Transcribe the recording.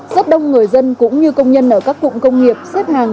rất đông người dân cũng như công nhân ở các cụm công nghiệp xếp hàng